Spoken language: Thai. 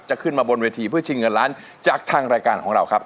ขึ้นมาบนเวทีเพื่อชิงเงินล้านจากทางรายการของเราครับ